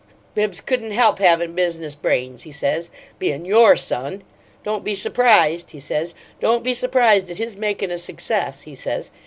'Bibbs couldn't help havin' business brains,' he says, 'bein' YOUR son. Don't be surprised,' he says 'don't be surprised at his makin' a success,' he says.